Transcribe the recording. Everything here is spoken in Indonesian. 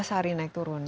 dua belas hari naik turun